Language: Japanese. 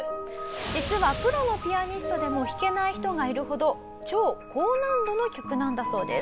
実はプロのピアニストでも弾けない人がいるほど超高難度の曲なんだそうです。